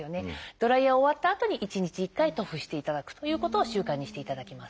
ドライヤー終わったあとに１日１回塗布していただくということを習慣にしていただきます。